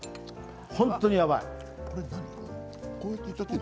本当にやばい。